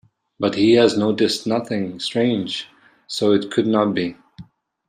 But he had noticed nothing strange; so it could not be.